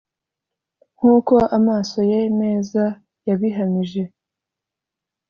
nkuko amaso ye meza yabihamije;